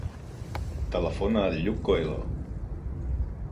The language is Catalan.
Telefona al Lluc Coelho.